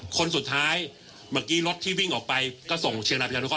คนสุดท้ายเมื่อกี้รถที่วิ่งออกไปก็ส่งเชียงรายประชานุเคร